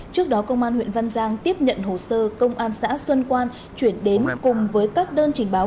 trước đó công an huyện văn giang tiếp nhận hồ sơ công an xã xuân quan chuyển đến cùng với các đơn trình báo